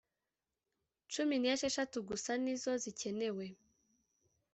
cumi n’esheshatu gusa nizo zikenewe